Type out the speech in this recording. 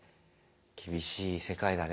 厳しい世界だね。